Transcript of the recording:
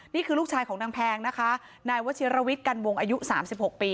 นี่คือลูกชายของนางแพงนะคะนายวชิรวิทย์กันวงอายุ๓๖ปี